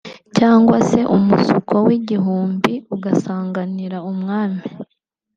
cyangwa se Umusuko w’Igihumbi ugasanganira Umwami